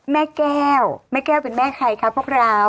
แม่แก้วแม่แก้วเป็นแม่ใครคะพวกเรา